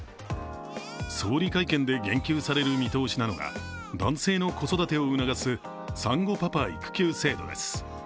総理会見で言及される見通しなのが、男性の子育てを促す産後パパ育休制度です。